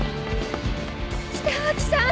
北脇さん！